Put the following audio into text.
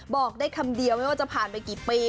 บอกได้คำเดียวไม่ว่าจะผ่านไปกี่ปี